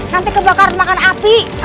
nanti kebakaran makan api